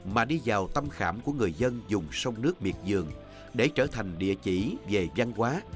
mà đi vào tâm khảm của người dân dùng sông nước miệt dương để trở thành địa chỉ về văn hóa